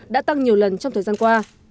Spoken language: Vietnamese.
đã tăng nhiều lần trong thời gian qua